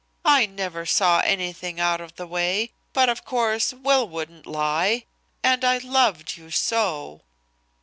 'I never saw anything out of the way, but of course Will wouldn't lie. And I loved you so.'